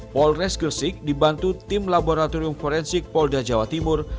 polres gresik dibantu tim laboratorium forensik polda jawa timur